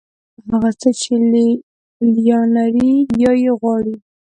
هغه څه چې لې لیان لري یا یې غواړي.